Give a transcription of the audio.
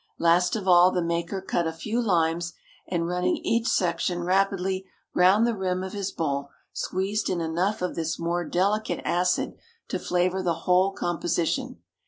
Last of all, the maker cut a few limes, and running each section rapidly round the rim of his bowl, squeezed in enough of this more delicate acid to flavour the whole composition.